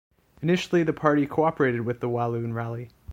Initially the party cooperated with the Walloon Rally.